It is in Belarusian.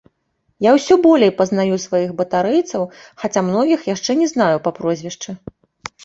Я ўсё болей пазнаю сваіх батарэйцаў, хаця многіх яшчэ не знаю па прозвішчы.